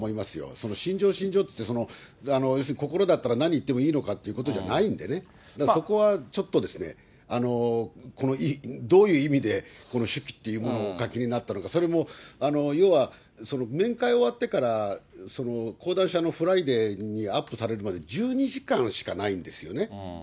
その心情、心情って言って、要するに、心だったら何言ってもいいのかってことじゃないんでね、そこはちょっとですね、どういう意味でこの手記っていうものをお書きになったのか、それも、要は面会終わってから、講談社のＦＲＩＤＡＹにアップされるまで１２時間しかないんですよね。